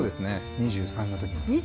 ２３の時。